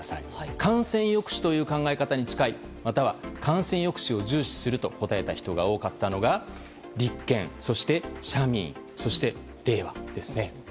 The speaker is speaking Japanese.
感染抑止という考え方に近いまたは感染抑止を重視すると答えた人が多かったのが立憲、社民、れいわですね。